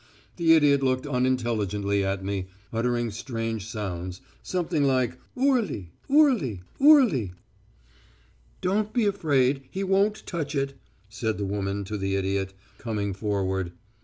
The idiot looked unintelligently at me, uttering strange sounds, something like oorli, oorli, oorli.... "'Don't be afraid, he won't touch it,' said the woman to the idiot, coming forward.